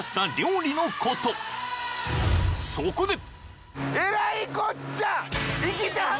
［そこで！］